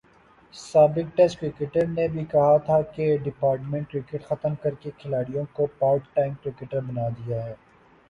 سابق test cricketer نے بھی کہا تھا کہ ڈپارٹمنٹ کرکٹ ختم کر کے کھلاڑیوں کو پارٹ ٹائم کرکٹر بنادیا ہے۔